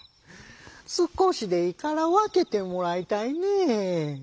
「すこしでいいからわけてもらいたいねぇ」。